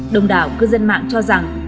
đông đảo cư dân mạng cho rằng